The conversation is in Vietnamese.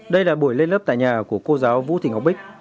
đây là buổi lên lớp tại nhà của cô giáo vũ thị ngọc bích